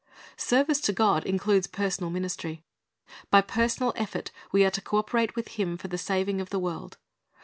Service to God includes personal ministry. By personal effort we are to co operate with Him for the saving of the world.